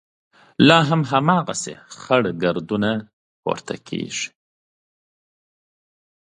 لا هم هماغسې خړ ګردونه پورته کېږي.